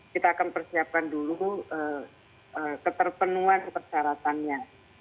kita akan persiapkan dulu keterpenuhan persyaratannya